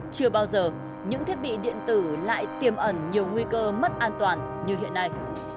chưa bao giờ những thiết bị điện tử lại tiềm ẩn nhiều nguy cơ mất an toàn như hiện nay